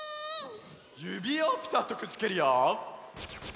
ゆびをぴたっとくっつけるよ！